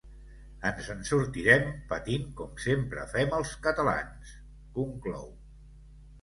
Ens en sortirem, patint com sempre fem els catalans…, conclou.